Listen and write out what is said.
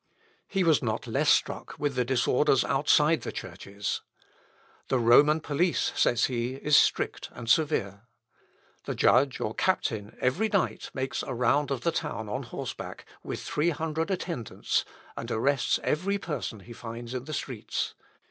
He was not less struck with the disorders outside the churches. "The Roman police," says he, "is strict and severe. The judge or captain every night makes a round of the town on horseback, with three hundred attendants, and arrests every person he finds in the streets.